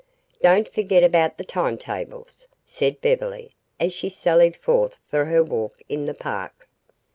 "Don't forget about the time tables," said Beverly, as she sallied forth for her walk in the park.